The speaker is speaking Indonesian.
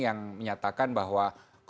yang menyatakan bahwa